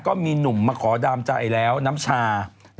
ก็มีหนุ่มมาขอดามใจแล้วน้ำชา